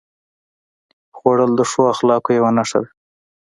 خوړل د ښو اخلاقو یوه نښه ده